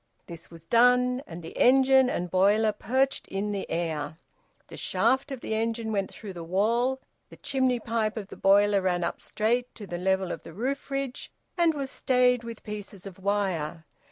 This was done, and the engine and boiler perched in the air; the shaft of the engine went through the wall; the chimney pipe of the boiler ran up straight to the level of the roof ridge, and was stayed with pieces of wire.